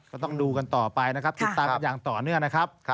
ก็ต้องดูกันต่อไปนะครับติดตามกันอย่างต่อเนื่องนะครับ